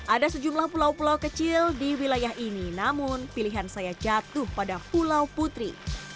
ada sejumlah pulau pulau kecil di wilayah ini namun pilihan saya jatuh pada pulau putri